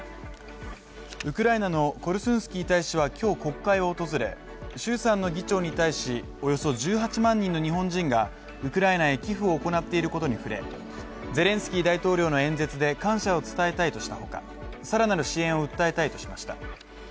ウクライナのコルスンスキー大使は今日国会を訪れ衆参の議長に対しおよそ１８万人の日本人がウクライナへ寄付を行っていることに触れゼレンスキー大統領の演説で感謝を伝えたいとした他更なる支援を訴えたいとしました。